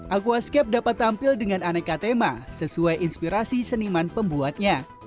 aquascape dapat tampil dengan aneka tema sesuai inspirasi seniman pembuatnya